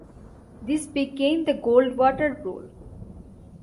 This became the Goldwater rule.